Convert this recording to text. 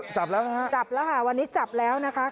จับแล้วนะฮะจับแล้วค่ะวันนี้จับแล้วนะคะ